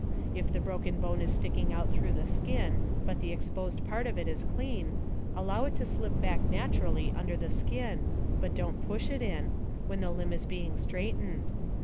If the broken bone is sticking out through the skin but the exposed part of it is clean, allow it to slip back naturally under the skin (but don't push it in) when the limb is being straightened.